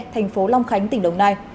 thành phố long khánh tỉnh đồng nai